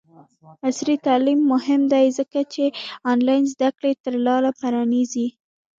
عصري تعلیم مهم دی ځکه چې آنلاین زدکړې ته لاره پرانیزي.